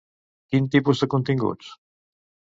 Quin tipus de continguts?